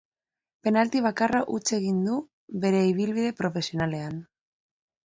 Penalti bakarra huts egin du bere ibilbide profesionalean.